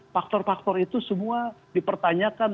faktor faktor itu semua dipertanyakan